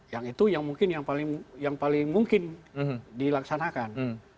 yang itu yang mungkin yang paling mungkin dilaksanakan